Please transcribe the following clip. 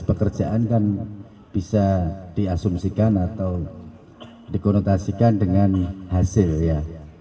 pekerjaan kan bisa diasumsikan atau dikonotasikan dengan hasil ya